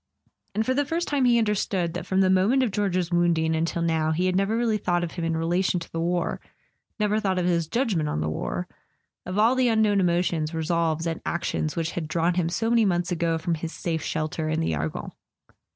And for the first time he understood that from the moment of George's wounding until now he had never really thought of him in relation to the war, never thought of his judgment on the war, of all the [ 308 ] A SON AT THE FRONT unknown emotions, resolves and actions which had drawn him so many months ago from his safe shelter in the Argonne.